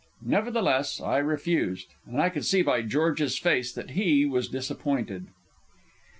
Nevertheless I refused, and I could see by George's face that he was disappointed.